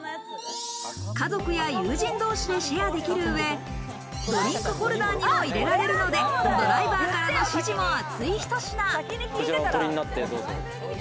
家族や友人同士でシェアできる上、ドリンクホルダーにも入れられるので、ドライバーからの支持も厚いひと品。